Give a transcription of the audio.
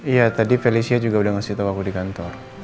iya tadi felicia juga udah ngasih tau aku di kantor